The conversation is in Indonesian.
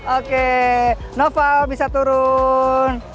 oke noval bisa turun